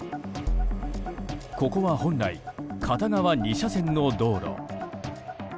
ここは本来、片側２車線の道路。